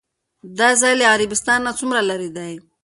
دا ځای له عربستان نه څومره لرې دی؟